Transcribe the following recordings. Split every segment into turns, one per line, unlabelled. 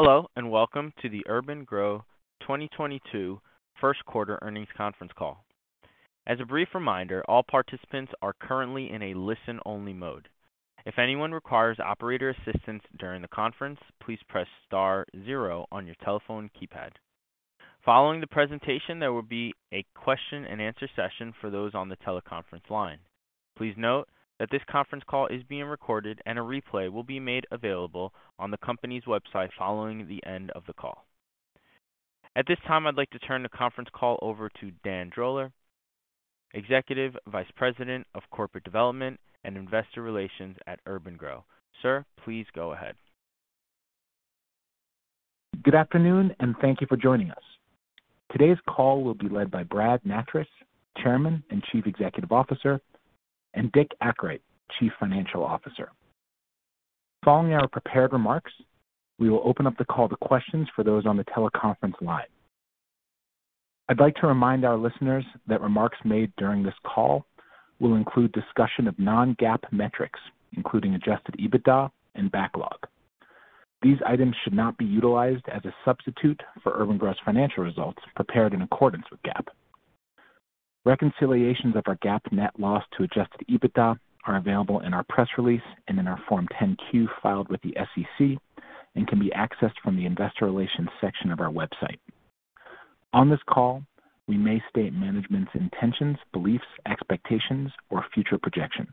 Hello, and welcome to the Urban-Gro, Inc. 2022 first quarter earnings conference call. As a brief reminder, all participants are currently in a listen-only mode. If anyone requires operator assistance during the conference, please press star zero on your telephone keypad. Following the presentation, there will be a question and answer session for those on the teleconference line. Please note that this conference call is being recorded, and a replay will be made available on the company's website following the end of the call. At this time, I'd like to turn the conference call over to Dan Droller, Executive Vice President of Corporate Development and Investor Relations at Urban-Gro, Inc. Sir, please go ahead.
Good afternoon, and thank you for joining us. Today's call will be led by Brad Nattrass, Chairman and Chief Executive Officer, and Dick Akright, Chief Financial Officer. Following our prepared remarks, we will open up the call to questions for those on the teleconference line. I'd like to remind our listeners that remarks made during this call will include discussion of non-GAAP metrics, including adjusted EBITDA and backlog. These items should not be utilized as a substitute for urban-gro's financial results prepared in accordance with GAAP. Reconciliations of our GAAP net loss to adjusted EBITDA are available in our press release and in our Form 10-Q filed with the SEC and can be accessed from the investor relations section of our website. On this call, we may state management's intentions, beliefs, expectations, or future projections.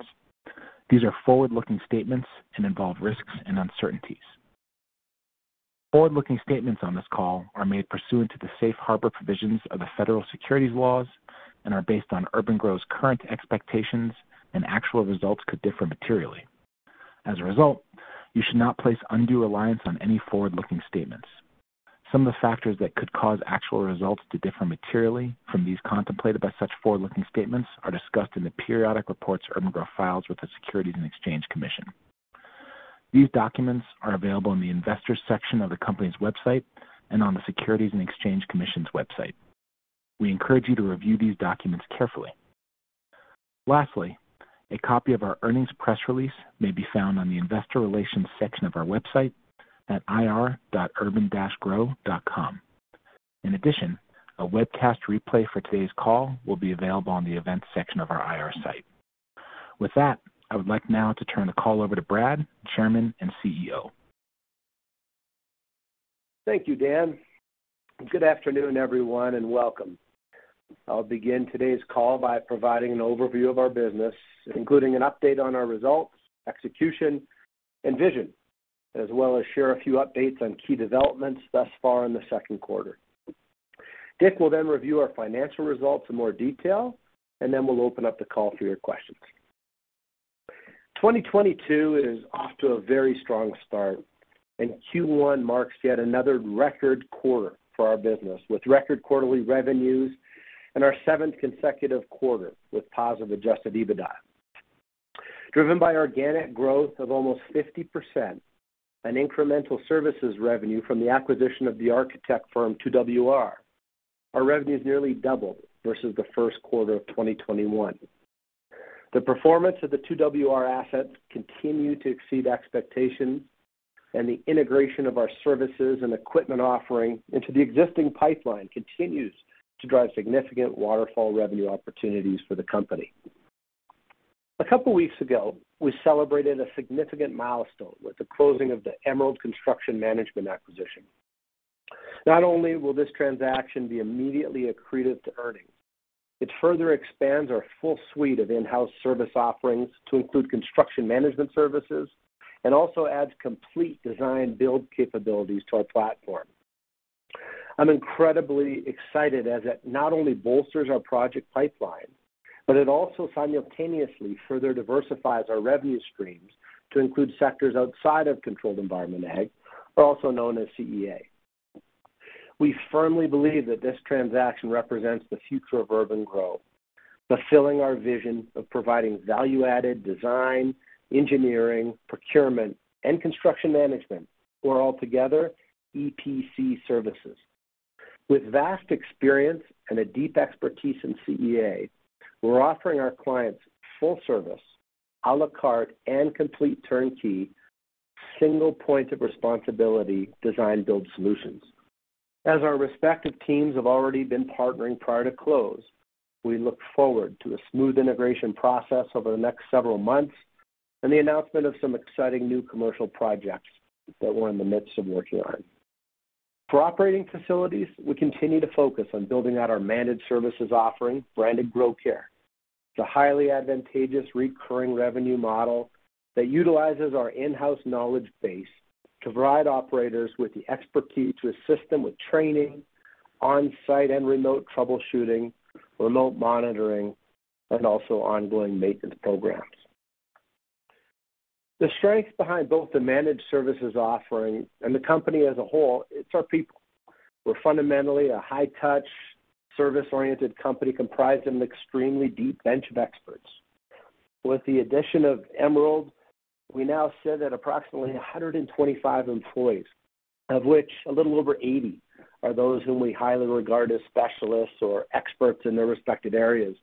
These are forward-looking statements and involve risks and uncertainties. Forward-looking statements on this call are made pursuant to the safe harbor provisions of the Federal Securities laws and are based on Urban-Gro's current expectations, and actual results could differ materially. As a result, you should not place undue reliance on any forward-looking statements. Some of the factors that could cause actual results to differ materially from these contemplated by such forward-looking statements are discussed in the periodic reports Urban-Gro files with the Securities and Exchange Commission. These documents are available in the investors section of the company's website and on the Securities and Exchange Commission's website. We encourage you to review these documents carefully. Lastly, a copy of our earnings press release may be found on the investor relations section of our website at ir.urban-gro.com. In addition, a webcast replay for today's call will be available on the events section of our IR site. With that, I would like now to turn the call over to Brad, Chairman and CEO.
Thank you, Dan. Good afternoon, everyone, and welcome. I'll begin today's call by providing an overview of our business, including an update on our results, execution, and vision, as well as share a few updates on key developments thus far in the second quarter. Dick will then review our financial results in more detail, and then we'll open up the call for your questions. 2022 is off to a very strong start, and Q1 marks yet another record quarter for our business, with record quarterly revenues and our seventh consecutive quarter with positive adjusted EBITDA. Driven by organic growth of almost 50% and incremental services revenue from the acquisition of the architect firm 2WR+, our revenue has nearly doubled versus the first quarter of 2021. The performance of the 2WR+ assets continue to exceed expectations, and the integration of our services and equipment offering into the existing pipeline continues to drive significant waterfall revenue opportunities for the company. A couple weeks ago, we celebrated a significant milestone with the closing of the Emerald Construction Management acquisition. Not only will this transaction be immediately accretive to earnings, it further expands our full suite of in-house service offerings to include construction management services and also adds complete design build capabilities to our platform. I'm incredibly excited as it not only bolsters our project pipeline, but it also simultaneously further diversifies our revenue streams to include sectors outside of controlled environment ag, also known as CEA. We firmly believe that this transaction represents the future of Urban-Gro, fulfilling our vision of providing value-added design, engineering, procurement, and construction management, or altogether EPC services. With vast experience and a deep expertise in CEA, we're offering our clients full service, à la carte, and complete turnkey, single point of responsibility design build solutions. As our respective teams have already been partnering prior to close, we look forward to a smooth integration process over the next several months and the announcement of some exciting new commercial projects that we're in the midst of working on. For operating facilities, we continue to focus on building out our managed services offering, branded Gro-Care. It's a highly advantageous recurring revenue model that utilizes our in-house knowledge base to provide operators with the expertise to assist them with training, on-site and remote troubleshooting, remote monitoring, and also ongoing maintenance programs. The strength behind both the managed services offering and the company as a whole, it's our people. We're fundamentally a high-touch, service-oriented company comprised of an extremely deep bench of experts. With the addition of Emerald, we now sit at approximately 125 employees, of which a little over 80 are those whom we highly regard as specialists or experts in their respective areas.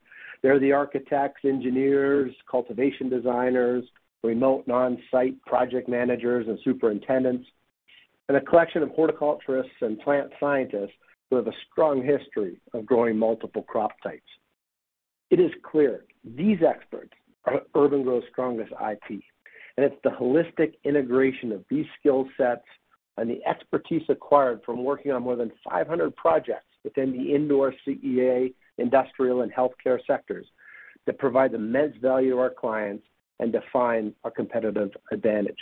They're the architects, engineers, cultivation designers, remote on-site project managers and superintendents, and a collection of horticulturists and plant scientists who have a strong history of growing multiple crop types. It is clear these experts are urban-gro's strongest asset, and it's the holistic integration of these skill sets and the expertise acquired from working on more than 500 projects within the indoor CEA, industrial, and healthcare sectors that provide immense value to our clients and define our competitive advantage.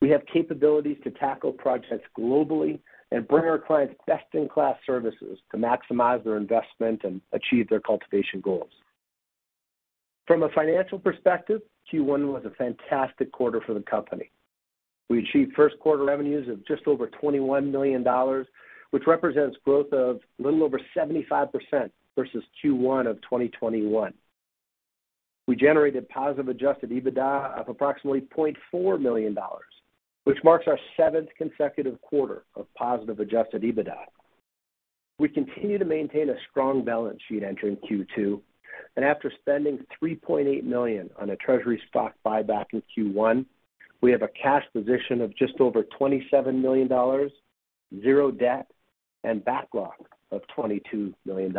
We have capabilities to tackle projects globally and bring our clients best-in-class services to maximize their investment and achieve their cultivation goals. From a financial perspective, Q1 was a fantastic quarter for the company. We achieved first quarter revenues of just over $21 million, which represents growth of little over 75% versus Q1 of 2021. We generated positive adjusted EBITDA of approximately $0.4 million, which marks our seventh consecutive quarter of positive adjusted EBITDA. We continue to maintain a strong balance sheet entering Q2 and after spending $3.8 million on a treasury stock buyback in Q1, we have a cash position of just over $27 million, zero debt, and backlog of $22 million.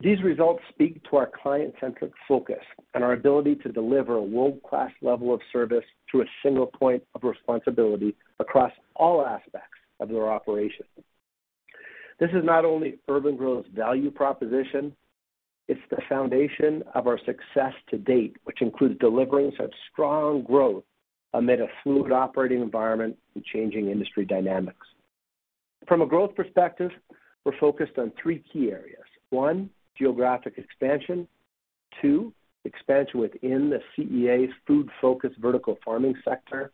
These results speak to our client-centric focus and our ability to deliver a world-class level of service through a single point of responsibility across all aspects of their operation. This is not only Urban-Gro's value proposition, it's the foundation of our success to date, which includes delivering such strong growth amid a fluid operating environment and changing industry dynamics. From a growth perspective, we're focused on three key areas. One, geographic expansion. Two, expansion within the CEA's food-focused vertical farming sector.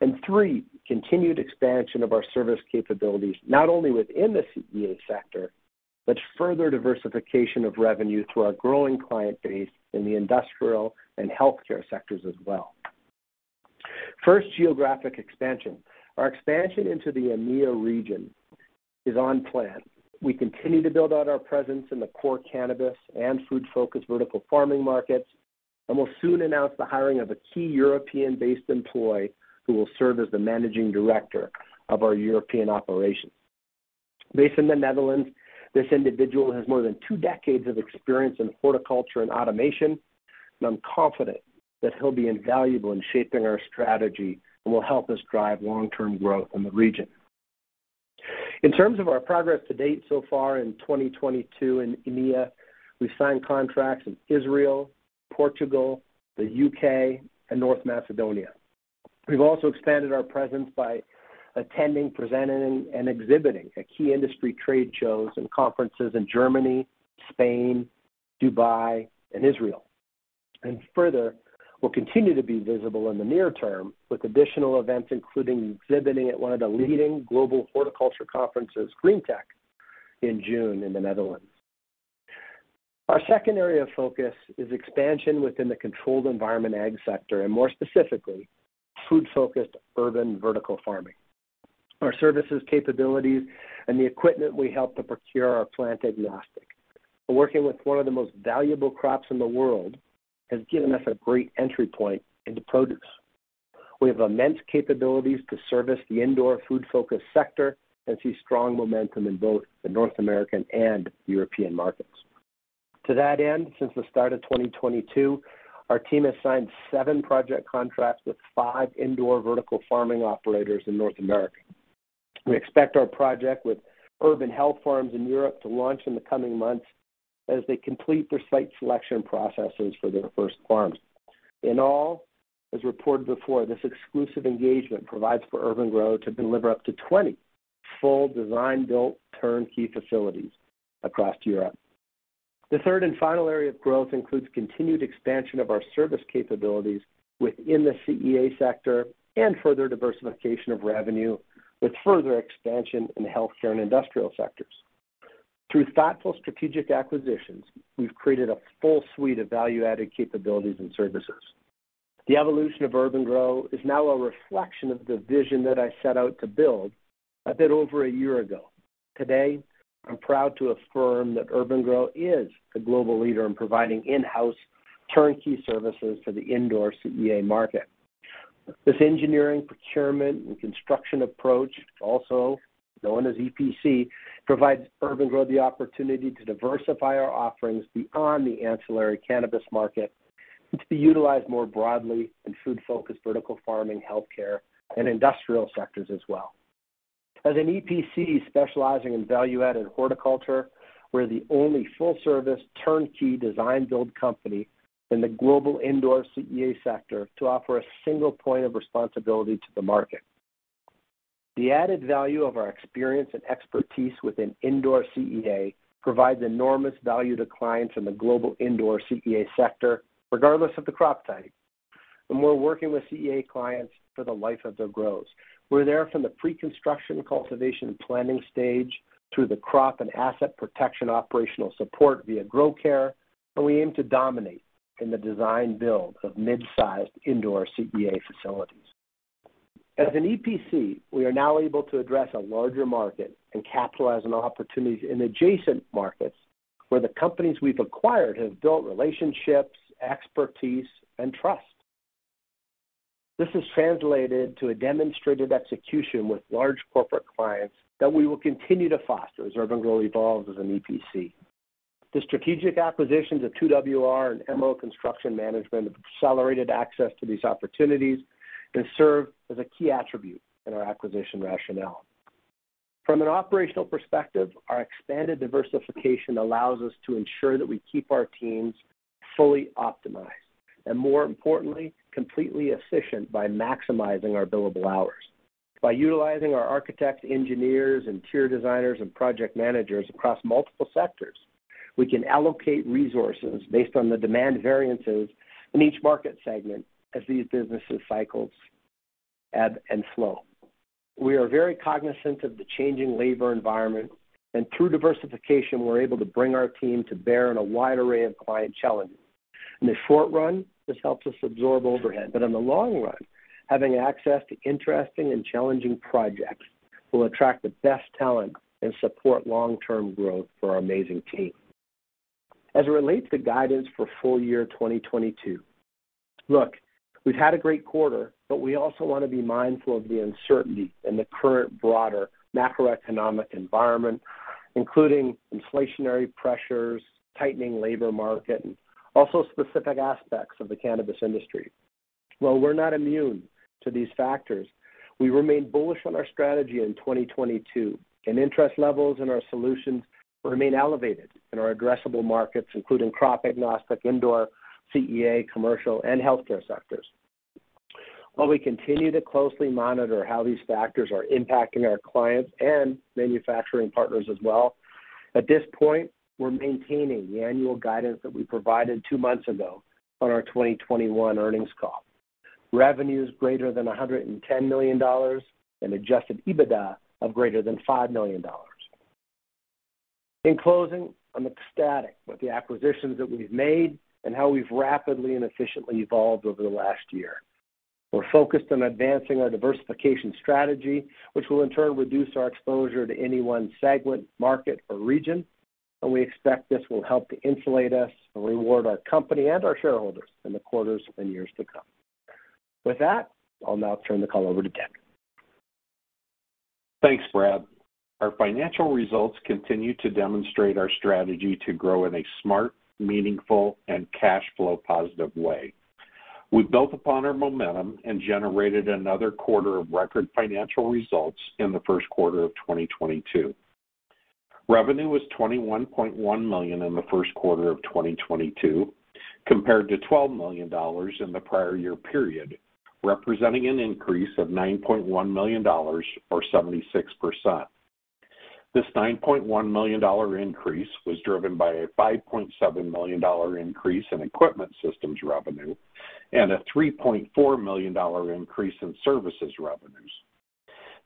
And three, continued expansion of our service capabilities, not only within the CEA sector, but further diversification of revenue through our growing client base in the industrial and healthcare sectors as well. First, geographic expansion. Our expansion into the EMEA region is on plan. We continue to build out our presence in the core cannabis and food-focused vertical farming markets, and we'll soon announce the hiring of a key European-based employee who will serve as the managing director of our European operations. Based in the Netherlands, this individual has more than two decades of experience in horticulture and automation. I'm confident that he'll be invaluable in shaping our strategy and will help us drive long-term growth in the region. In terms of our progress to date so far in 2022 in EMEA, we've signed contracts in Israel, Portugal, the U.K., and North Macedonia. We've also expanded our presence by attending, presenting, and exhibiting at key industry trade shows and conferences in Germany, Spain, Dubai, and Israel. Further, we'll continue to be visible in the near term with additional events, including exhibiting at one of the leading global horticulture conferences, GreenTech, in June in the Netherlands. Our second area of focus is expansion within the controlled environment ag sector and more specifically, food-focused urban vertical farming. Our services capabilities and the equipment we help to procure are plant agnostic. Working with one of the most valuable crops in the world has given us a great entry point into produce. We have immense capabilities to service the indoor food-focused sector and see strong momentum in both the North American and European markets. To that end, since the start of 2022, our team has signed seven project contracts with five indoor vertical farming operators in North America. We expect our project with Urban Health Farms in Europe to launch in the coming months as they complete their site selection processes for their first farms. In all, as reported before, this exclusive engagement provides for Urban-Gro to deliver up to 20 full design build turnkey facilities across Europe. The third and final area of growth includes continued expansion of our service capabilities within the CEA sector and further diversification of revenue with further expansion in the healthcare and industrial sectors. Through thoughtful strategic acquisitions, we've created a full suite of value-added capabilities and services. The evolution of urban-gro is now a reflection of the vision that I set out to build a bit over a year ago. Today, I'm proud to affirm that urban-gro is the global leader in providing in-house turnkey services for the indoor CEA market. This engineering, procurement, and construction approach, also known as EPC, provides Urban-Gro the opportunity to diversify our offerings beyond the ancillary cannabis market and to be utilized more broadly in food-focused, vertical farming, healthcare, and industrial sectors as well. As an EPC specializing in value-added horticulture, we're the only full-service, turnkey design build company in the global indoor CEA sector to offer a single point of responsibility to the market. The added value of our experience and expertise within indoor CEA provides enormous value to clients in the global indoor CEA sector, regardless of the crop type. We're working with CEA clients for the life of their grows. We're there from the pre-construction cultivation planning stage through the crop and asset protection operational support via gro-care, and we aim to dominate in the design build of mid-sized indoor CEA facilities. As an EPC, we are now able to address a larger market and capitalize on opportunities in adjacent markets where the companies we've acquired have built relationships, expertise, and trust. This has translated to a demonstrated execution with large corporate clients that we will continue to foster as Urban-Gro evolves as an EPC. The strategic acquisitions of 2WR and Emerald Construction Management have accelerated access to these opportunities and serve as a key attribute in our acquisition rationale. From an operational perspective, our expanded diversification allows us to ensure that we keep our teams fully optimized, and more importantly, completely efficient by maximizing our billable hours. By utilizing our architects, engineers, interior designers, and project managers across multiple sectors, we can allocate resources based on the demand variances in each market segment as these business cycles ebb and flow. We are very cognizant of the changing labor environment, and through diversification, we're able to bring our team to bear on a wide array of client challenges. In the short run, this helps us absorb overhead, but in the long run, having access to interesting and challenging projects will attract the best talent and support long-term growth for our amazing team. As it relates to guidance for full year 2022, look, we've had a great quarter, but we also want to be mindful of the uncertainty in the current broader macroeconomic environment, including inflationary pressures, tightening labor market, and also specific aspects of the cannabis industry. While we're not immune to these factors, we remain bullish on our strategy in 2022, and interest levels in our solutions remain elevated in our addressable markets, including crop-agnostic, indoor, CEA, commercial, and healthcare sectors. While we continue to closely monitor how these factors are impacting our clients and manufacturing partners as well, at this point, we're maintaining the annual guidance that we provided two months ago on our 2021 earnings call. Revenue is greater than $110 million and adjusted EBITDA of greater than $5 million. In closing, I'm ecstatic with the acquisitions that we've made and how we've rapidly and efficiently evolved over the last year. We're focused on advancing our diversification strategy, which will in turn reduce our exposure to any one segment, market, or region, and we expect this will help to insulate us and reward our company and our shareholders in the quarters and years to come. With that, I'll now turn the call over to Dick.
Thanks, Brad. Our financial results continue to demonstrate our strategy to grow in a smart, meaningful, and cash flow positive way. We've built upon our momentum and generated another quarter of record financial results in the first quarter of 2022. Revenue was $21.1 million in the first quarter of 2022 compared to $12 million in the prior year period, representing an increase of $9.1 million or 76%. This $9.1 million increase was driven by a $5.7 million increase in equipment systems revenue and a $3.4 million increase in services revenues.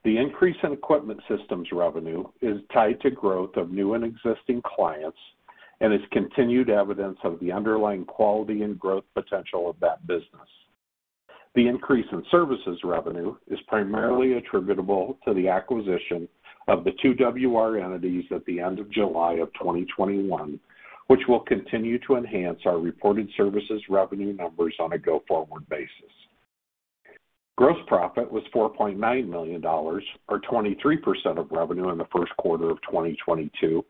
The increase in equipment systems revenue is tied to growth of new and existing clients and is continued evidence of the underlying quality and growth potential of that business. The increase in services revenue is primarily attributable to the acquisition of the 2WR+ Partners at the end of July 2021, which will continue to enhance our reported services revenue numbers on a go-forward basis. Gross profit was $4.9 million or 23% of revenue in the first quarter of 2022,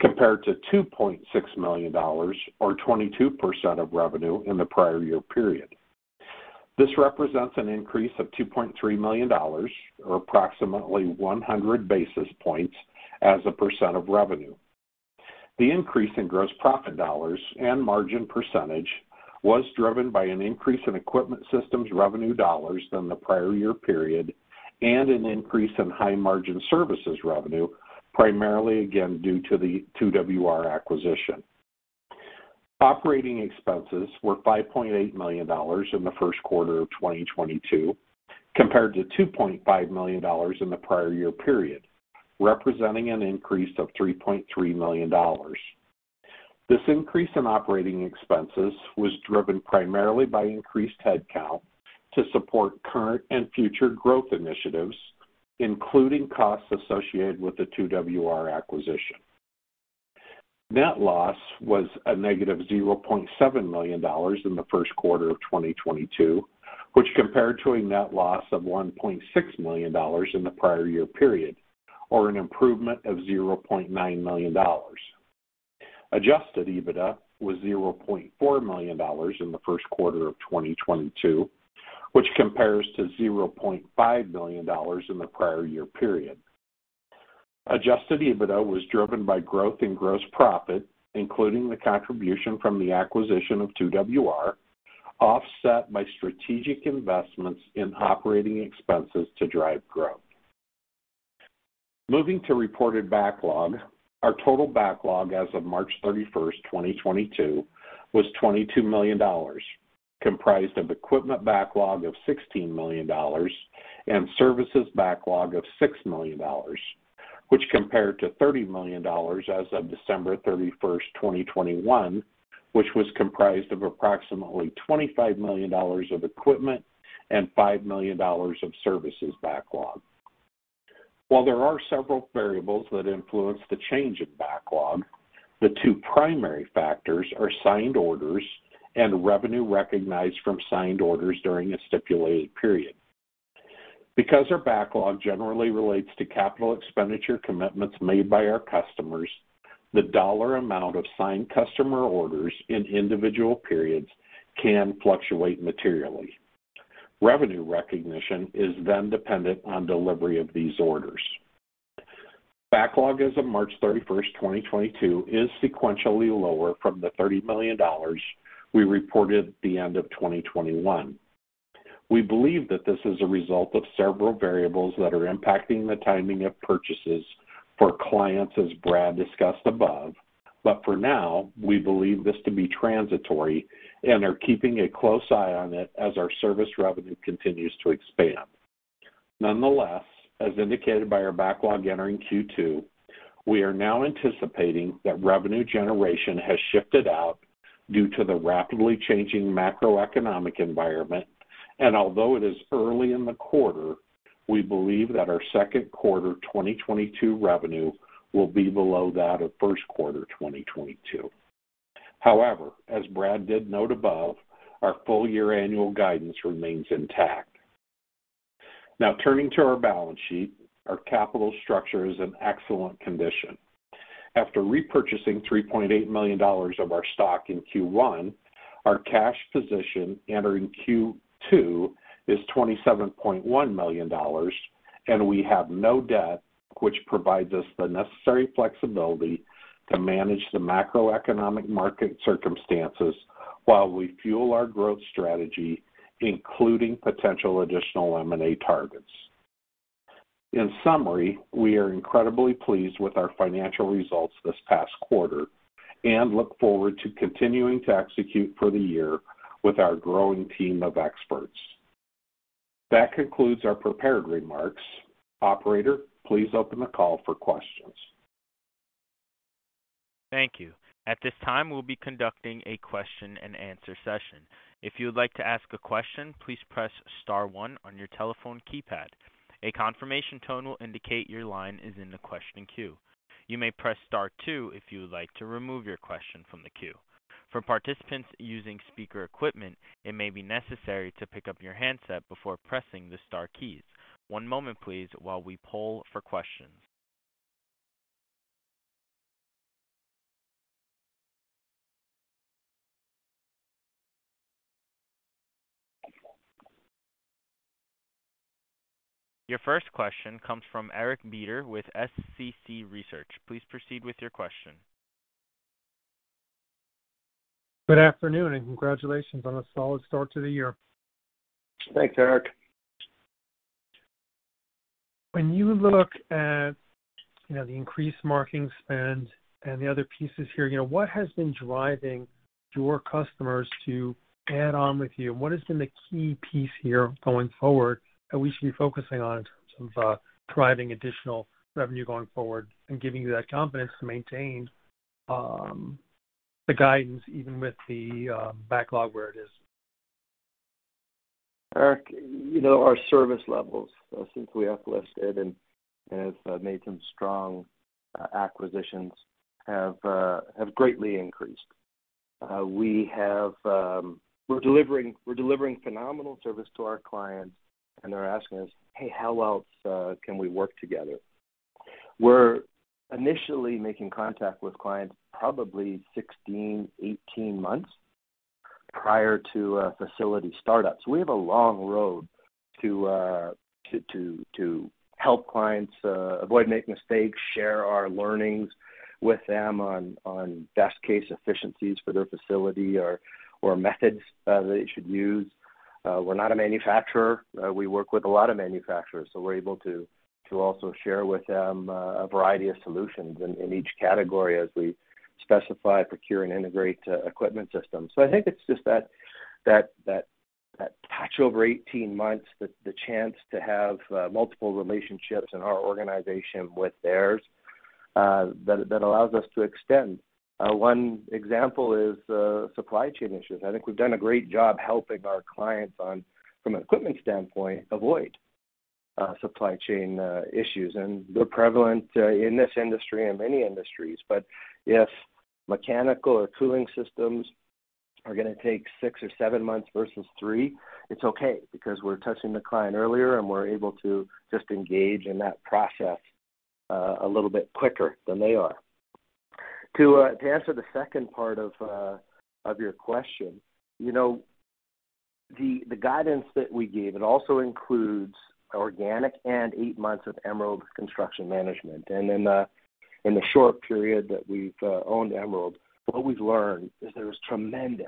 compared to $2.6 million or 22% of revenue in the prior year period. This represents an increase of $2.3 million or approximately 100 basis points as a percent of revenue. The increase in gross profit dollars and margin percentage was driven by an increase in equipment systems revenue dollars than the prior year period and an increase in high-margin services revenue, primarily, again, due to the 2WR+ acquisition. Operating expenses were $5.8 million in the first quarter of 2022 compared to $2.5 million in the prior year period, representing an increase of $3.3 million. This increase in operating expenses was driven primarily by increased headcount to support current and future growth initiatives, including costs associated with the 2WR acquisition. Net loss was a negative $0.7 million in the first quarter of 2022, which compared to a net loss of $1.6 million in the prior year period, or an improvement of $0.9 million. Adjusted EBITDA was $0.4 million in the first quarter of 2022, which compares to $0.5 million in the prior year period. Adjusted EBITDA was driven by growth in gross profit, including the contribution from the acquisition of 2WR, offset by strategic investments in operating expenses to drive growth. Moving to reported backlog. Our total backlog as of March 31, 2022 was $22 million. Comprised of equipment backlog of $16 million and services backlog of $6 million, which compared to $30 million as of December 31, 2021, which was comprised of approximately $25 million of equipment and $5 million of services backlog. While there are several variables that influence the change in backlog, the two primary factors are signed orders and revenue recognized from signed orders during a stipulated period. Because our backlog generally relates to capital expenditure commitments made by our customers, the dollar amount of signed customer orders in individual periods can fluctuate materially. Revenue recognition is then dependent on delivery of these orders. Backlog as of March 31, 2022 is sequentially lower from the $30 million we reported at the end of 2021. We believe that this is a result of several variables that are impacting the timing of purchases for clients, as Brad discussed above. For now, we believe this to be transitory and are keeping a close eye on it as our service revenue continues to expand. Nonetheless, as indicated by our backlog entering Q2, we are now anticipating that revenue generation has shifted out due to the rapidly changing macroeconomic environment. Although it is early in the quarter, we believe that our second quarter 2022 revenue will be below that of first quarter 2022. However, as Brad did note above, our full year annual guidance remains intact. Now turning to our balance sheet. Our capital structure is in excellent condition. After repurchasing $3.8 million of our stock in Q1, our cash position entering Q2 is $27.1 million and we have no debt, which provides us the necessary flexibility to manage the macroeconomic market circumstances while we fuel our growth strategy, including potential additional M&A targets. In summary, we are incredibly pleased with our financial results this past quarter and look forward to continuing to execute for the year with our growing team of experts. That concludes our prepared remarks. Operator, please open the call for questions.
Thank you. At this time, we'll be conducting a question and answer session. If you would like to ask a question, please press star one on your telephone keypad. A confirmation tone will indicate your line is in the question queue. You may press star two if you would like to remove your question from the queue. For participants using speaker equipment, it may be necessary to pick up your handset before pressing the star keys. One moment please while we poll for questions. Your first question comes from Eric Beder with SCC Research. Please proceed with your question.
Good afternoon, and congratulations on a solid start to the year.
Thanks, Eric.
When you look at, you know, the increased marketing spend and the other pieces here, you know, what has been driving your customers to add on with you? What has been the key piece here going forward that we should be focusing on in terms of driving additional revenue going forward and giving you that confidence to maintain the guidance even with the backlog where it is?
Eric, you know, our service levels, since we have listed and have made some strong acquisitions, have greatly increased. We're delivering phenomenal service to our clients, and they're asking us, "Hey, how else can we work together?" We're initially making contact with clients probably 16, 18 months prior to a facility startup. We have a long road to help clients avoid making mistakes, share our learnings with them on best case efficiencies for their facility or methods they should use. We're not a manufacturer. We work with a lot of manufacturers, so we're able to also share with them a variety of solutions in each category as we specify, procure, and integrate equipment systems. I think it's just that touch over 18 months, the chance to have multiple relationships in our organization with theirs, that allows us to extend. One example is supply chain issues. I think we've done a great job helping our clients on from an equipment standpoint avoid supply chain issues. They're prevalent in this industry and many industries. If mechanical or cooling systems are gonna take 6 or 7 months versus 3, it's okay because we're touching the client earlier and we're able to just engage in that process a little bit quicker than they are. To answer the second part of your question. The guidance that we gave, it also includes organic and 8 months of Emerald Construction Management. In the short period that we've owned Emerald, what we've learned is there's tremendous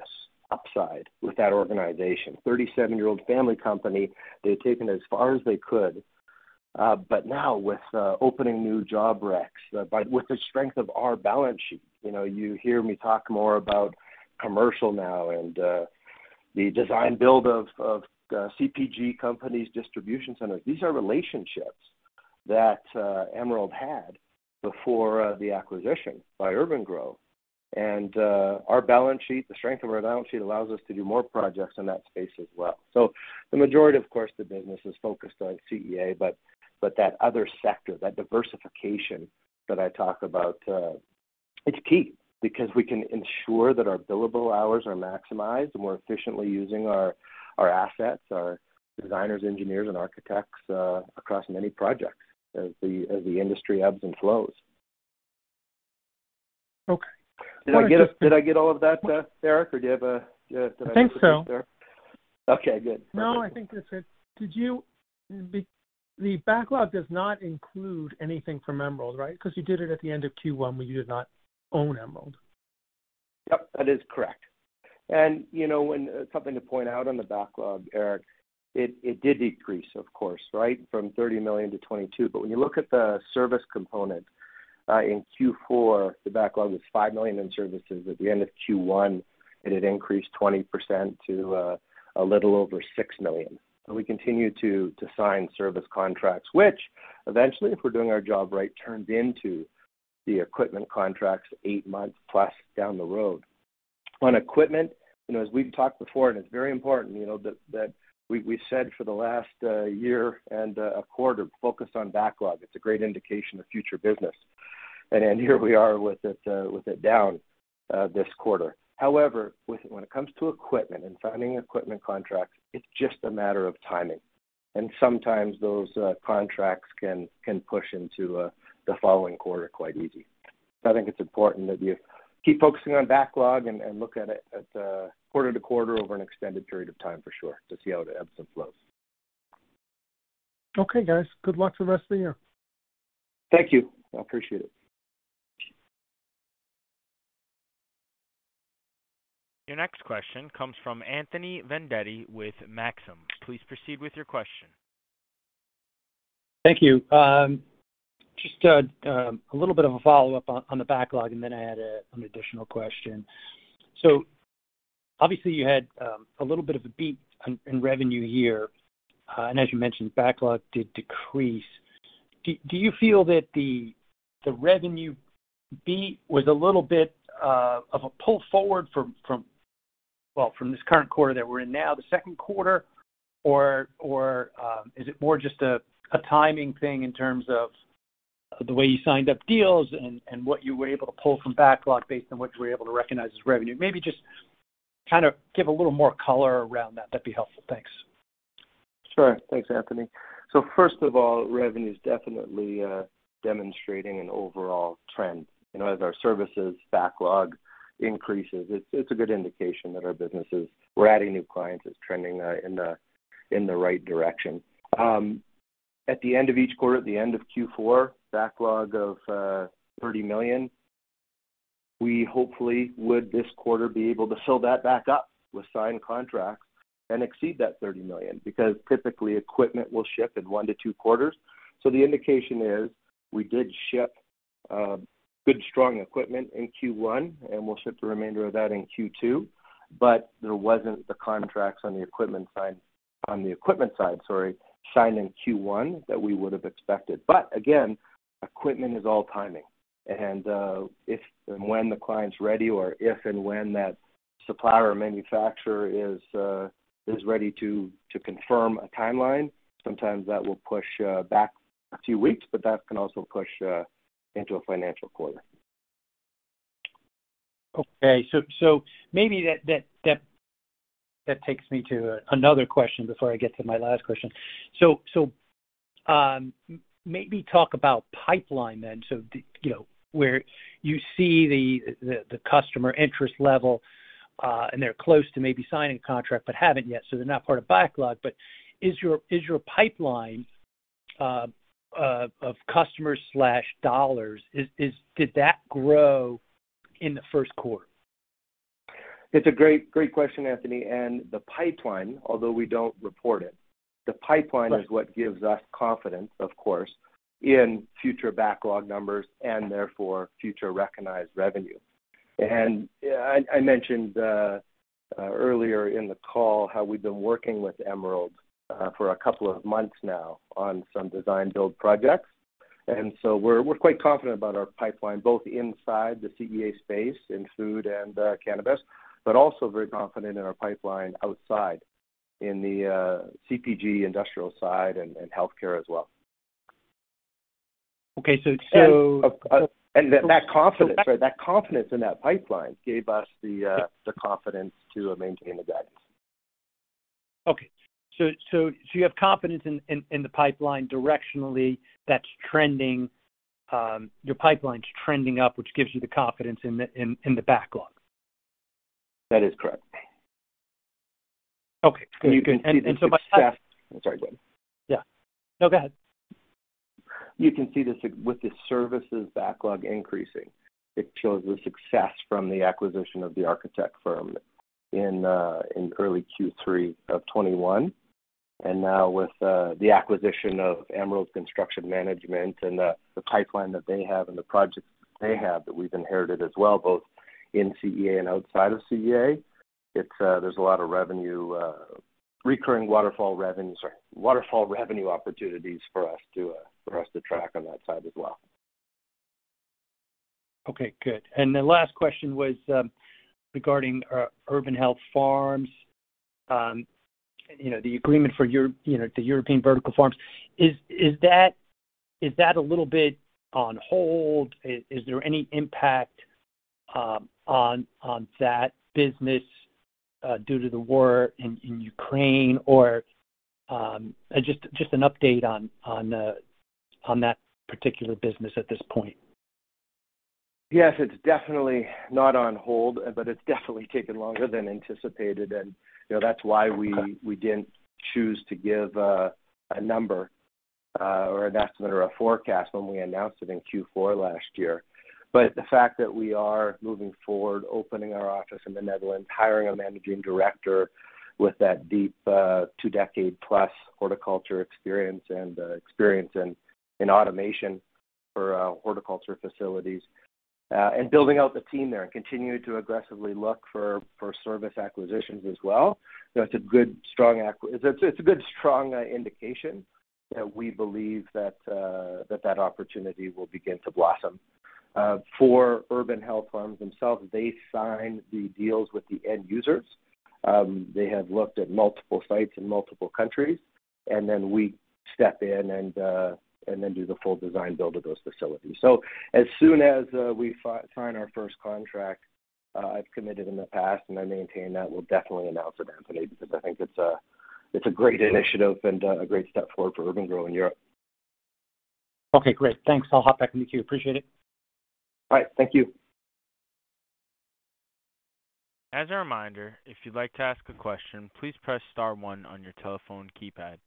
upside with that organization. 37-year-old family company, they've taken as far as they could.
Now with opening new job recs, with the strength of our balance sheet, you know, you hear me talk more about commercial now and the design build of CPG companies, distribution centers. These are relationships that Emerald had before the acquisition by Urban-Gro. Our balance sheet, the strength of our balance sheet allows us to do more projects in that space as well. The majority, of course, the business is focused on CEA, but that other sector, that diversification that I talk about, it's key because we can ensure that our billable hours are maximized, and we're efficiently using our assets, our designers, engineers, and architects across many projects as the industry ebbs and flows.
Okay.
Did I get all of that, Eric, or do you have a?
I think so.
Okay, good.
No, I think that's it. The backlog does not include anything from Emerald, right? 'Cause you did it at the end of Q1 when you did not own Emerald.
Yep, that is correct. You know, something to point out on the backlog, Eric, it did decrease, of course, right, from $30 million to $22 million. But when you look at the service component in Q4, the backlog was $5 million in services. At the end of Q1, it had increased 20% to a little over $6 million. We continue to sign service contracts, which eventually, if we're doing our job right, turns into the equipment contracts 8 months plus down the road. On equipment, you know, as we've talked before, and it's very important, you know, that we said for the last year and a quarter, focus on backlog. It's a great indication of future business. Here we are with it down this quarter. However, when it comes to equipment and signing equipment contracts, it's just a matter of timing. Sometimes those contracts can push into the following quarter quite easily. I think it's important that you keep focusing on backlog and look at it quarter to quarter over an extended period of time for sure to see how it ebbs and flows.
Okay, guys. Good luck for the rest of the year.
Thank you. I appreciate it.
Your next question comes from Anthony Vendetti with Maxim. Please proceed with your question.
Thank you. Just a little bit of a follow-up on the backlog, and then I had an additional question. Obviously, you had a little bit of a beat on revenue here. As you mentioned, backlog did decrease. Do you feel that the revenue beat was a little bit of a pull forward from this current quarter that we're in now, the second quarter? Or is it more just a timing thing in terms of the way you signed up deals and what you were able to pull from backlog based on what you were able to recognize as revenue? Maybe just kind of give a little more color around that. That'd be helpful. Thanks.
Sure. Thanks, Anthony. First of all, revenue is definitely demonstrating an overall trend. You know, as our services backlog increases, it's a good indication that our business is we're adding new clients, it's trending in the right direction. At the end of each quarter, at the end of Q4, backlog of $30 million, we hopefully would this quarter be able to fill that back up with signed contracts and exceed that $30 million because typically equipment will ship in one to two quarters. The indication is we did ship good strong equipment in Q1, and we'll ship the remainder of that in Q2, but there wasn't the contracts on the equipment side, sorry, signed in Q1 that we would have expected. Again, equipment is all timing. If and when the client's ready or if and when that supplier or manufacturer is ready to confirm a timeline, sometimes that will push back a few weeks, but that can also push into a financial quarter.
Okay. Maybe that takes me to another question before I get to my last question. Maybe talk about pipeline then. You know, where you see the customer interest level, and they're close to maybe signing a contract but haven't yet, so they're not part of backlog. Is your pipeline of customers/dollars did that grow in the first quarter?
It's a great question, Anthony. The pipeline, although we don't report it.
Right
is what gives us confidence, of course, in future backlog numbers and therefore future recognized revenue. I mentioned earlier in the call how we've been working with Emerald for a couple of months now on some design build projects. We're quite confident about our pipeline, both inside the CEA space in food and cannabis, but also very confident in our pipeline outside in the CPG industrial side and healthcare as well.
Okay.
that confidence, right, that confidence in that pipeline gave us the confidence to maintain the guidance.
You have confidence in the pipeline directionally that's trending, your pipeline's trending up, which gives you the confidence in the backlog.
That is correct.
Okay. Good, good.
You can see that success. I'm sorry, go ahead.
Yeah. No, go ahead.
You can see this with the services backlog increasing. It shows the success from the acquisition of the architect firm in early Q3 of 2021. Now with the acquisition of Emerald Construction Management and the pipeline that they have and the projects they have that we've inherited as well, both in CEA and outside of CEA, there's a lot of revenue recurring waterfall revenues or waterfall revenue opportunities for us to track on that side as well.
Okay, good. The last question was regarding Urban Health Farms, you know, the agreement for the European vertical farms. Is that a little bit on hold? Is there any impact on that business due to the war in Ukraine? Or just an update on that particular business at this point.
Yes, it's definitely not on hold, but it's definitely taken longer than anticipated. You know, that's why we didn't choose to give a number or an estimate or a forecast when we announced it in Q4 last year. The fact that we are moving forward, opening our office in the Netherlands, hiring a managing director with that deep two-decade-plus horticulture experience and experience in automation for horticulture facilities, and building out the team there and continuing to aggressively look for service acquisitions as well. You know, it's a good strong indication that we believe that that opportunity will begin to blossom. For Urban Health Farms themselves, they sign the deals with the end users. They have looked at multiple sites in multiple countries, and then we step in and then do the full design build of those facilities. As soon as we sign our first contract, I've committed in the past, and I maintain that, we'll definitely announce it, Anthony, because I think it's a great initiative and a great step forward for Urban-Gro, Inc. in Europe.
Okay, great. Thanks. I'll hop back in the queue. Appreciate it.
All right. Thank you.
As a reminder, if you'd like to ask a question, please press star one on your telephone keypad.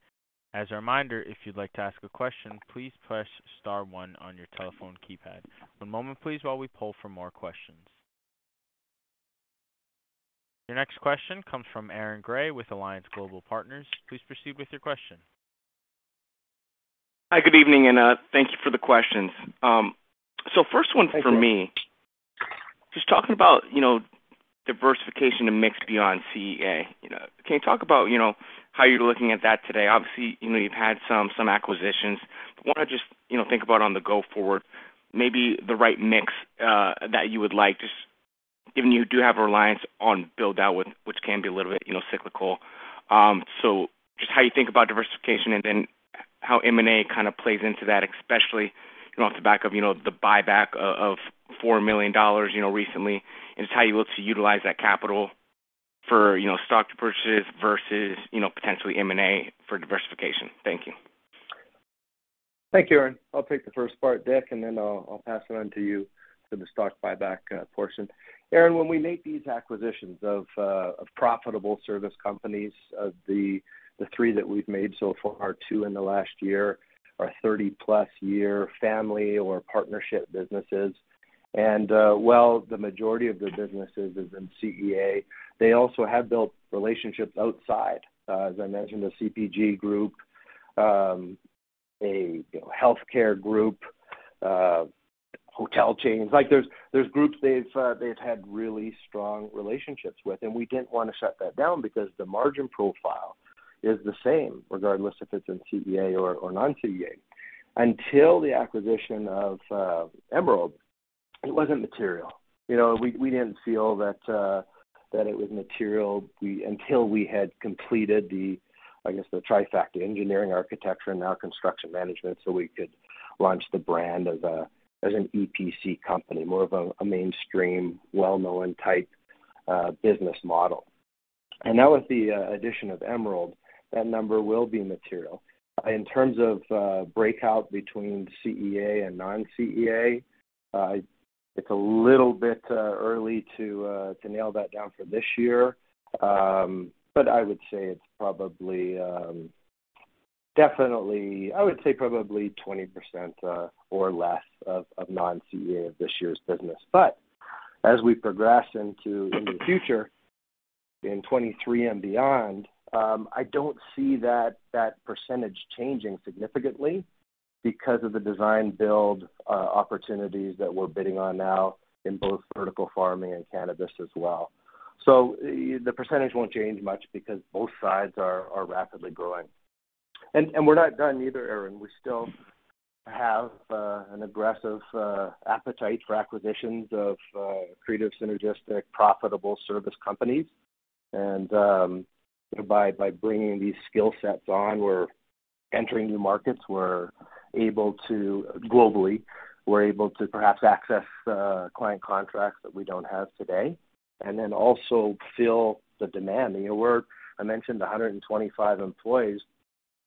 As a reminder, if you'd like to ask a question, please press star one on your telephone keypad. One moment, please, while we poll for more questions. Your next question comes from Aaron Grey with Alliance Global Partners. Please proceed with your question.
Hi. Good evening, and thank you for the questions. First one from me.
Thank you.
Just talking about, you know, diversification and mix beyond CEA, you know. Can you talk about, you know, how you're looking at that today? Obviously, you know, you've had some acquisitions. Want to just, you know, think about on the go forward, maybe the right mix, that you would like, just given you do have a reliance on build out which can be a little bit, you know, cyclical. So just how you think about diversification and then how M&A kind of plays into that, especially, you know, off the back of, you know, the buyback of $4 million, you know, recently, and just how you look to utilize that capital for, you know, stock to purchase versus, you know, potentially M&A for diversification. Thank you.
Thank you, Aaron. I'll take the first part, Dick, and then I'll pass it on to you for the stock buyback portion. Aaron, when we make these acquisitions of profitable service companies, the 3 that we've made so far, 2 in the last year, are 30-plus-year family or partnership businesses. While the majority of their businesses is in CEA, they also have built relationships outside. As I mentioned, a CPG group, you know, a healthcare group, hotel chains. Like there's groups they've had really strong relationships with, and we didn't want to shut that down because the margin profile is the same regardless if it's in CEA or non-CEA. Until the acquisition of Emerald, it wasn't material. You know, we didn't feel that it was material until we had completed the, I guess, the trifecta engineering, architecture, and now construction management, so we could launch the brand as an EPC company, more of a mainstream, well-known type business model. Now with the addition of Emerald, that number will be material. In terms of breakout between CEA and non-CEA, it's a little bit early to nail that down for this year. But I would say it's probably definitely. I would say probably 20% or less of non-CEA of this year's business. As we progress in the future in 2023 and beyond, I don't see that percentage changing significantly because of the design build opportunities that we're bidding on now in both vertical farming and cannabis as well. The percentage won't change much because both sides are rapidly growing. We're not done either, Aaron. We still have an aggressive appetite for acquisitions of creative, synergistic, profitable service companies. By bringing these skill sets on, we're entering new markets. We're able to globally perhaps access client contracts that we don't have today. Also fill the demand. You know, I mentioned 125 employees.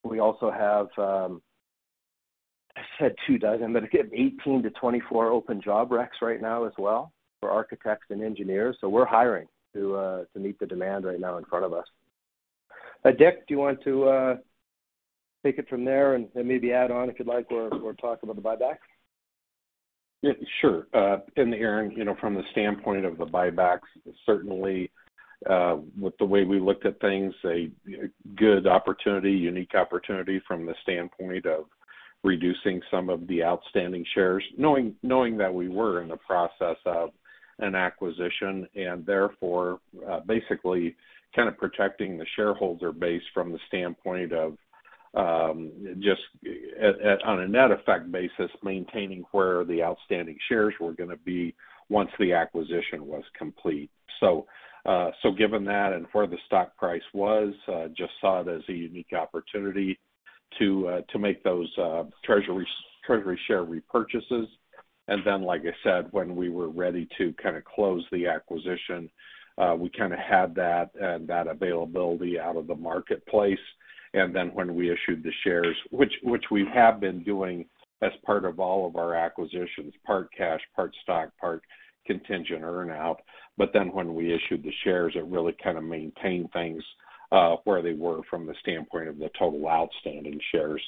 We also have I said 24, but again, 18-24 open job recs right now as well for architects and engineers. We're hiring to meet the demand right now in front of us.
Dick, do you want to take it from there and maybe add on if you'd like or talk about the buyback?
Yeah, sure. Aaron, you know, from the standpoint of the buybacks, certainly, with the way we looked at things, a good opportunity, unique opportunity from the standpoint of reducing some of the outstanding shares, knowing that we were in the process of an acquisition and therefore, basically kind of protecting the shareholder base from the standpoint of, just on a net effect basis, maintaining where the outstanding shares were gonna be once the acquisition was complete. Given that and where the stock price was, just saw it as a unique opportunity to make those treasury share repurchases. Like I said, when we were ready to kinda close the acquisition, we kinda had that availability out of the marketplace. Then when we issued the shares, which we have been doing as part of all of our acquisitions, part cash, part stock, part contingent earnout, but then when we issued the shares, it really kind of maintained things where they were from the standpoint of the total outstanding shares.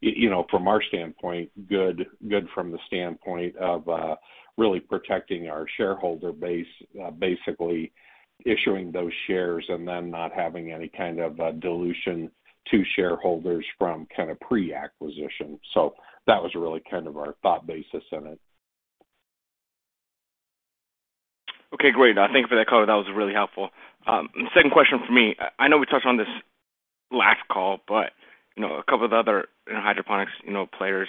You know, from our standpoint, good from the standpoint of really protecting our shareholder base, basically issuing those shares and then not having any kind of dilution to shareholders from kind of pre-acquisition. That was really kind of our thought basis in it.
Okay, great. Thank you for that color. That was really helpful. Second question from me. I know we touched on this last call, but you know, a couple of other hydroponics you know, players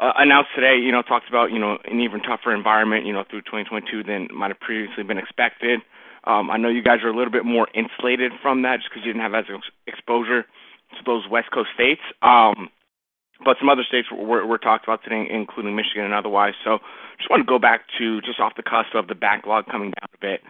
announced today you know, talked about you know, an even tougher environment you know, through 2022 than might have previously been expected. I know you guys are a little bit more insulated from that just 'cause you didn't have as exposure to those West Coast states. Some other states we're talking about today, including Michigan and otherwise. Just wanna go back to just the cost of the backlog coming down a bit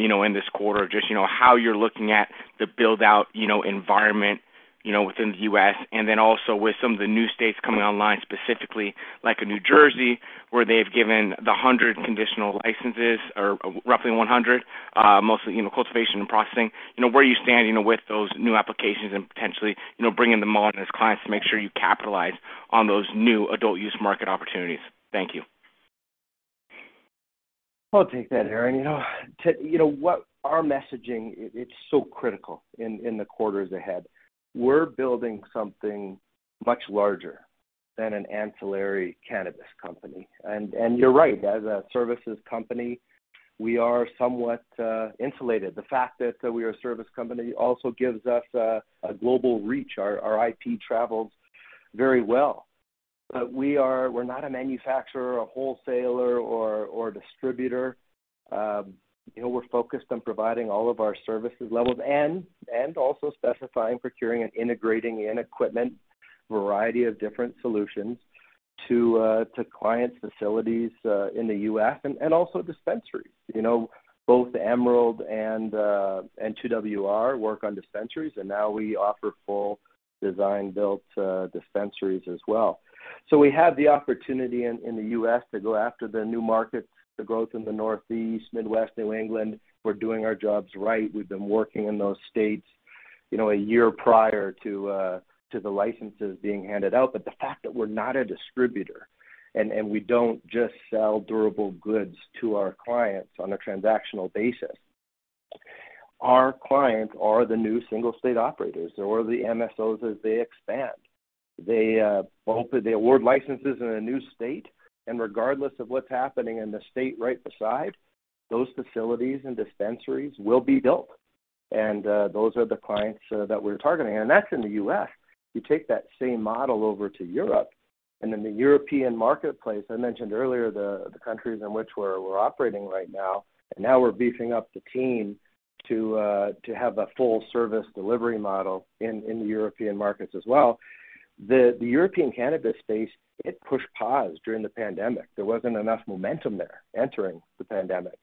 you know, in this quarter just you know, how you're looking at the build-out you know, environment you know, within the U.S. Then also with some of the new states coming online, specifically like in New Jersey, where they've given 100 conditional licenses or roughly 100, mostly, you know, cultivation and processing. You know, where do you stand, you know, with those new applications and potentially, you know, bringing them on as clients to make sure you capitalize on those new adult use market opportunities? Thank you.
I'll take that, Aaron. You know what? Our messaging, it's so critical in the quarters ahead. We're building something much larger than an ancillary cannabis company. You're right, as a services company, we are somewhat insulated. The fact that we are a service company also gives us a global reach. Our IP travels very well. We're not a manufacturer or a wholesaler or a distributor. You know, we're focused on providing all of our services levels and also specifying, procuring, and integrating equipment, a variety of different solutions to clients' facilities in the U.S. and also dispensaries. You know, both Emerald and 2WR work on dispensaries, and now we offer full design-build dispensaries as well. We have the opportunity in the U.S. to go after the new markets, the growth in the Northeast, Midwest, New England. We're doing our jobs right. We've been working in those states a year prior to the licenses being handed out. The fact that we're not a distributor and we don't just sell durable goods to our clients on a transactional basis, our clients are the new single state operators or the MSOs as they expand. They award licenses in a new state. Regardless of what's happening in the state right beside, those facilities and dispensaries will be built. Those are the clients that we're targeting. That's in the U.S. You take that same model over to Europe, and in the European marketplace, I mentioned earlier the countries in which we're operating right now, and now we're beefing up the team to have a full service delivery model in the European markets as well. The European cannabis space, it pushed pause during the pandemic. There wasn't enough momentum there entering the pandemic.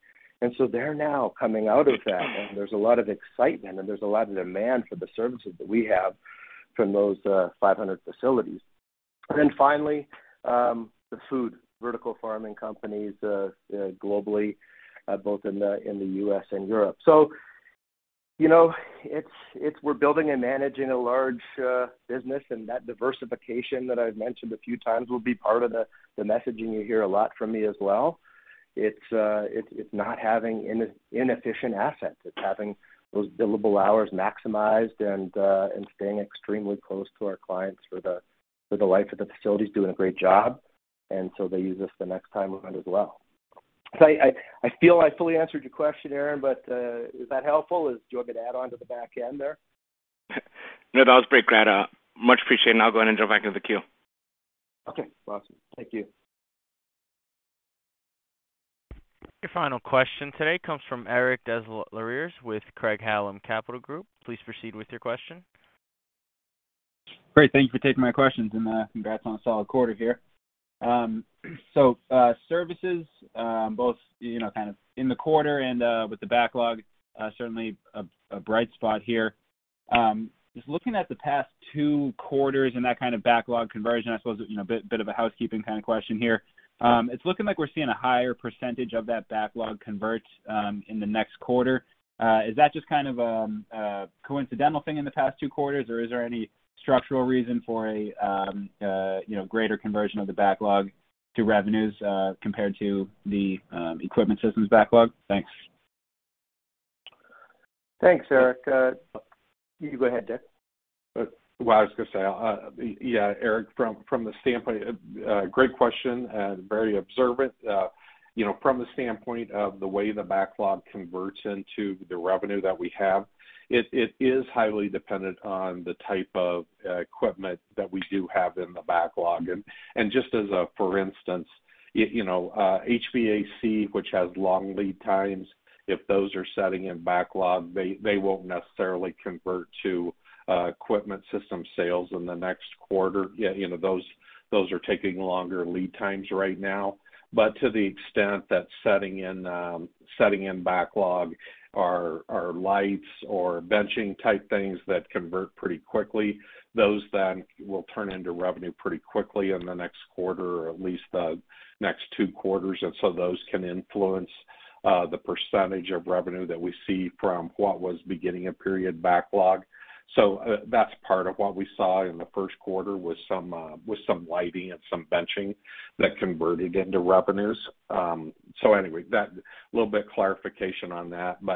They're now coming out of that, and there's a lot of excitement and there's a lot of demand for the services that we have from those 500 facilities. The food vertical farming companies globally, both in the U.S. and Europe. You know, it's we're building and managing a large business, and that diversification that I've mentioned a few times will be part of the messaging you hear a lot from me as well. It's not having inefficient assets. It's having those billable hours maximized and staying extremely close to our clients for the life of the facilities, doing a great job. They use us the next time around as well. I feel I fully answered your question, Aaron, but is that helpful? Do you want me to add on to the back end there?
No, that was great, Brad. Much appreciated. I'll go ahead and jump back into the queue.
Okay. Awesome. Thank you.
Your final question today comes from Eric Des Lauriers with Craig-Hallum Capital Group. Please proceed with your question.
Great. Thank you for taking my questions, and, congrats on a solid quarter here. So, services, both, you know, kind of in the quarter and, with the backlog, certainly a bright spot here. Just looking at the past two quarters and that kind of backlog conversion, I suppose, you know, bit of a housekeeping kind of question here. It's looking like we're seeing a higher percentage of that backlog convert in the next quarter. Is that just kind of a coincidental thing in the past two quarters, or is there any structural reason for a you know, greater conversion of the backlog to revenues, compared to the equipment systems backlog? Thanks.
Thanks, Eric. You go ahead, Dick.
Well, I was gonna say, yeah, Eric, from the standpoint. Great question and very observant. You know, from the standpoint of the way the backlog converts into the revenue that we have, it is highly dependent on the type of equipment that we do have in the backlog. And just as a for instance, you know, HVAC, which has long lead times, if those are setting in backlog, they won't necessarily convert to equipment system sales in the next quarter. You know, those are taking longer lead times right now. To the extent that setting in backlog are lights or benching type things that convert pretty quickly, those then will turn into revenue pretty quickly in the next quarter or at least the next two quarters, and those can influence the percentage of revenue that we see from what was beginning a period backlog. That's part of what we saw in the first quarter with some lighting and some benching that converted into revenues. Anyway, that's a little bit of clarification on that. We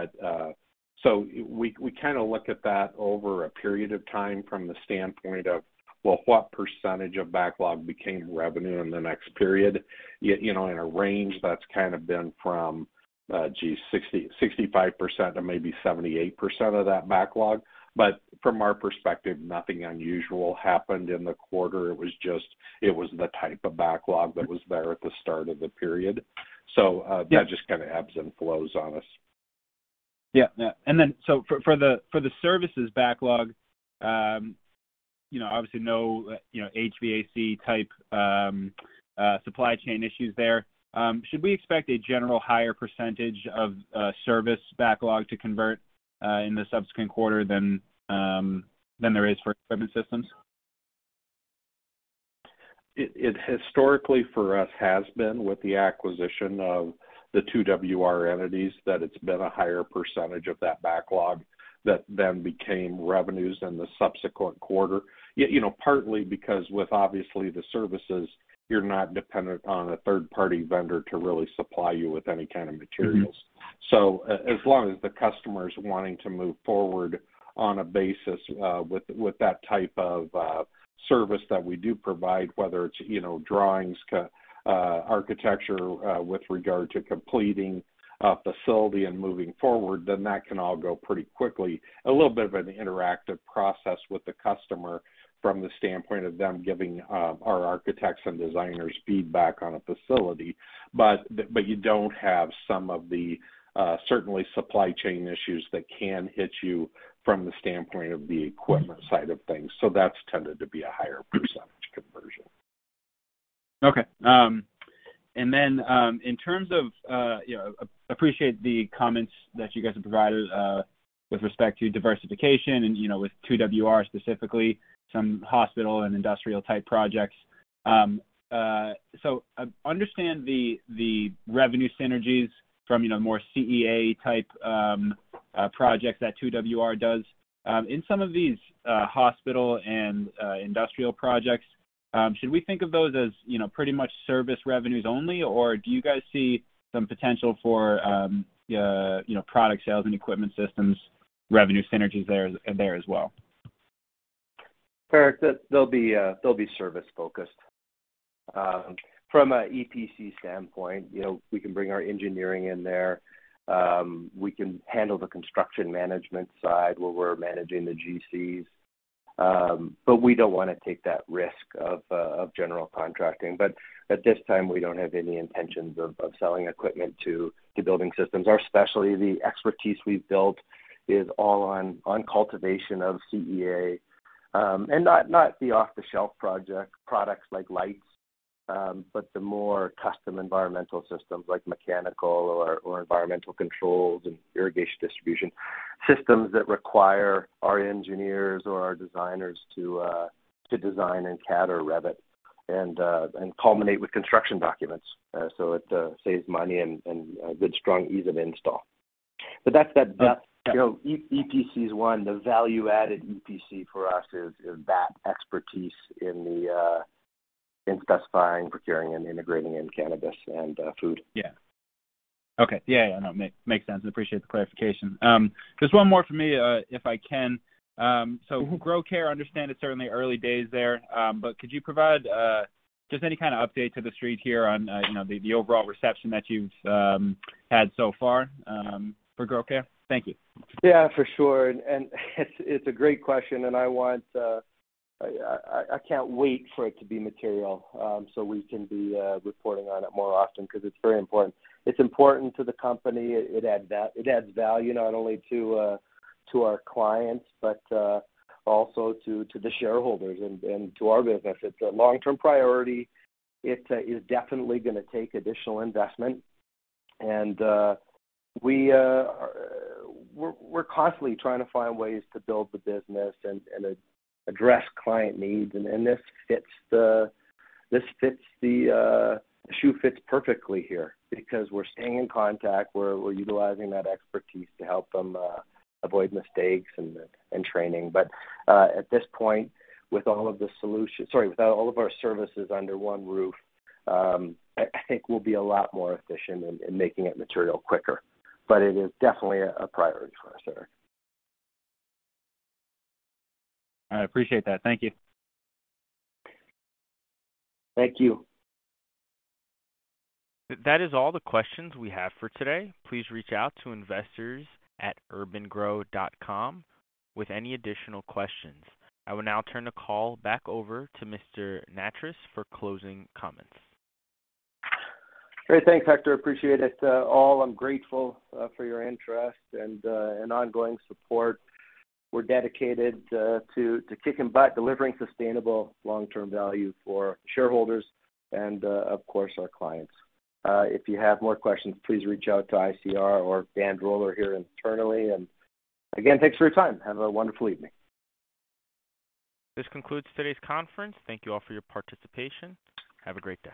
kinda look at that over a period of time from the standpoint of what percentage of backlog became revenue in the next period. You know, in a range that's kind of been from 65% to maybe 78% of that backlog. From our perspective, nothing unusual happened in the quarter. It was just the type of backlog that was there at the start of the period. That just kinda ebbs and flows on us.
Yeah. For the services backlog, you know, obviously no HVAC type supply chain issues there. Should we expect a general higher percentage of service backlog to convert in the subsequent quarter than there is for equipment systems?
It historically for us has been with the acquisition of 2WR+ Partners, that it's been a higher percentage of that backlog that then became revenues in the subsequent quarter. Yet, you know, partly because with obviously the services, you're not dependent on a third-party vendor to really supply you with any kind of materials. As long as the customer is wanting to move forward on that basis, with that type of service that we do provide, whether it's, you know, drawings, architecture, with regard to completing a facility and moving forward, then that can all go pretty quickly. A little bit of an interactive process with the customer from the standpoint of them giving our architects and designers feedback on a facility. You don't have some of the certainly supply chain issues that can hit you from the standpoint of the equipment side of things. That's tended to be a higher percentage conversion.
Okay. In terms of, you know, appreciate the comments that you guys have provided with respect to diversification and, you know, with 2WR specifically, some hospital and industrial type projects. I understand the revenue synergies from, you know, more CEA type projects that 2WR does. In some of these hospital and industrial projects, should we think of those as, you know, pretty much service revenues only, or do you guys see some potential for, you know, product sales and equipment systems revenue synergies there as well?
Eric, they'll be service-focused. From a EPC standpoint, you know, we can bring our engineering in there. We can handle the construction management side where we're managing the GCs, but we don't wanna take that risk of general contracting. At this time, we don't have any intentions of selling equipment to building systems. Our specialty, the expertise we've built is all on cultivation of CEA, and not the off-the-shelf project, products like lights, but the more custom environmental systems like mechanical or environmental controls and irrigation distribution systems that require our engineers or our designers to design in CAD or Revit and culminate with construction documents. It saves money and a good strong ease of install. That's that, you know, EPC is one. The value-added EPC for us is that expertise in specifying, procuring, and integrating in cannabis and food.
Yeah. Okay. Yeah, yeah, no, makes sense. Appreciate the clarification. Just one more for me, if I can. So Gro-Care, understand it's certainly early days there, but could you provide just any kind of update to the street here on, you know, the overall reception that you've had so far for Gro-Care? Thank you.
Yeah, for sure. It's a great question, and I can't wait for it to be material, so we can be reporting on it more often because it's very important. It's important to the company. It adds value not only to our clients, but also to the shareholders and to our business. It's a long-term priority. It is definitely gonna take additional investment. We're constantly trying to find ways to build the business and address client needs. The shoe fits perfectly here because we're staying in contact, we're utilizing that expertise to help them avoid mistakes and training. At this point, with all of our services under one roof, I think we'll be a lot more efficient in making it material quicker. It is definitely a priority for us, Eric.
I appreciate that. Thank you.
Thank you.
That is all the questions we have for today. Please reach out to investors@urban-gro.com with any additional questions. I will now turn the call back over to Mr. Nattrass for closing comments.
Great. Thanks, Hector. Appreciate it. I'm grateful for your interest and ongoing support. We're dedicated to kicking butt, delivering sustainable long-term value for shareholders and, of course, our clients. If you have more questions, please reach out to ICR or Dan Droller here internally. Again, thanks for your time. Have a wonderful evening.
This concludes today's conference. Thank you all for your participation. Have a great day.